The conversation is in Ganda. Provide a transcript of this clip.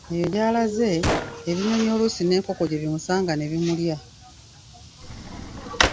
Eyo gy'alaze, ebinnyonyi, oluusi n'enkoko gye zimusanga ne zimulya.